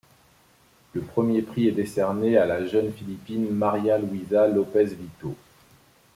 Le premier prix est décerné à la jeune Philippine Maria-Louisa Lopez-Vito.